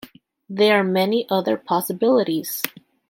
There are many other possibilities.